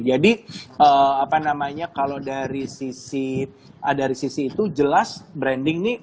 jadi apa namanya kalau dari sisi itu jelas branding ini